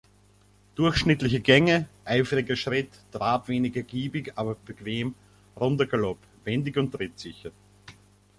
Durchschnittliche Gänge, eifriger Schritt, Trab wenig ergiebig aber bequem, runder Galopp; wendig und trittsicher.